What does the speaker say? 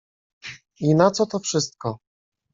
"I na co to wszystko?"